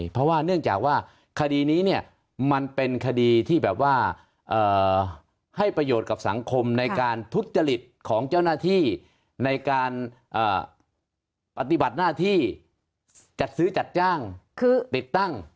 เพราะว่าเนื่องจากว่าคดีนี้เนี่ยมันเป็นคดีที่แบบว่าให้ประโยชน์กับสังคมในการทุจริตของเจ้าหน้าที่ในการปฏิบัติหน้าที่จัดซื้อจัดจ้างติดตั้ง